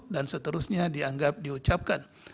dan seterusnya dianggap diucapkan